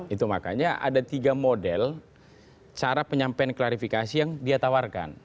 itu makanya ada tiga model cara penyampaian klarifikasi yang dia tawarkan